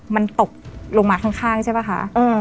มันตกลงมาข้างใช่ป่ะคะ